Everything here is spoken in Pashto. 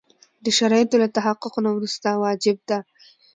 د شرایطو له تحقق نه وروسته واجب ده.